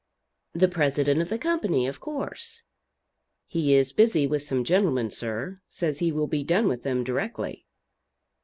"The president of the company, of course." "He is busy with some gentlemen, sir; says he will be done with them directly."